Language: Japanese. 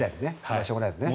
しょうがないですね。